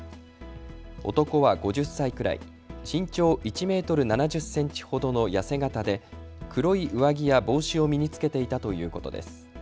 男は５０歳くらい、身長１メートル７０センチほどの痩せ形で、黒い上着や帽子を身に着けていたということです。